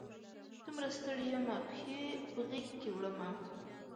دومره ستړي یمه، پښې په غیږ کې وړمه